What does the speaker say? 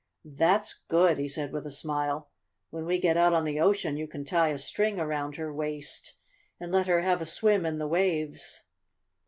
"That's good!" he said with a smile. "When we get out on the ocean you can tie a string around her waist, and let her have a swim in the waves."